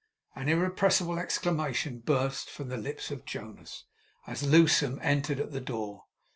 An irrepressible exclamation burst from the lips of Jonas, as Lewsome entered at the door.